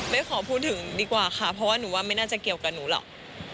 ไม่ขอพูดถึงดีกว่าค่ะเพราะว่าหนูว่าไม่น่าจะเกี่ยวกับหนูหรอก